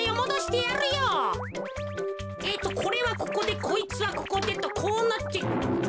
えっとこれはここでこいつはここでとこうなって。